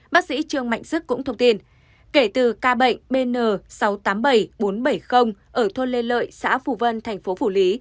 bác sĩ trương mạnh sức cũng thông tin kể từ ca bệnh bn sáu trăm tám mươi bảy bốn trăm bảy mươi ở thôn lê lợi xã phù vân thành phố phủ lý